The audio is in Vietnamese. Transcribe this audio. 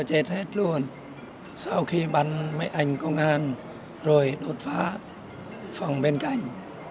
chúng tôi chết hết luôn sau khi bắn mấy anh công an rồi đột phá phòng bên cạnh